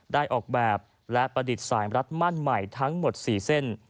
ออกแบบและประดิษฐ์สายรัดมั่นใหม่ทั้งหมด๔เส้น